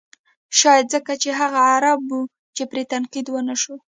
شاید ځکه چې هغه عرب و چې پرې تنقید و نه شو.